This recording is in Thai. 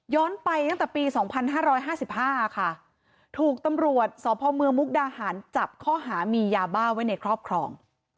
ไปตั้งแต่ปี๒๕๕๕ค่ะถูกตำรวจสพเมืองมุกดาหารจับข้อหามียาบ้าไว้ในครอบครอง